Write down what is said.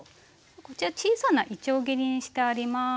こちら小さないちょう切りにしてあります。